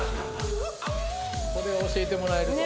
これは教えてもらえるぞ。